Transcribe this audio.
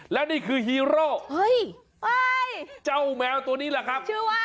และนี่คือฮีโร่เจ้าแมวตัวนี่ละครับ